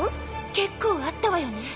結構あったわよね。